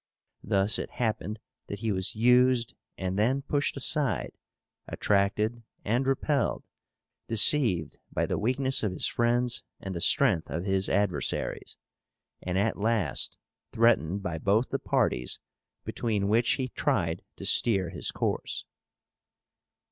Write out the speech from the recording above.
Thus it happened that he was used and then pushed aside, attracted and repelled, deceived by the weakness of his friends and the strength of his adversaries; and at last threatened by both the parties between which he tried to steer his course.